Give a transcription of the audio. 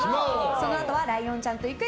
そのあとはライオンちゃんと行く！